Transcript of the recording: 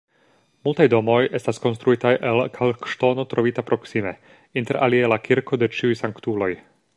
Multaj domoj estas konstruitaj el kalkŝtono, trovita proksime, interalie la kirko de ĉiuj sanktuloj.